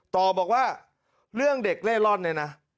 ต่อบอกว่าเรื่องเด็กเล่ร่อนเนี่ยนะ